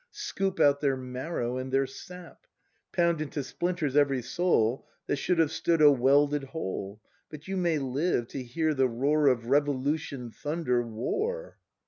Scoop out their marrow and their sap, Pound into splinters every soul, That should have stood a welded whole; — But you may live to hear the roar Of revolution thunder: War!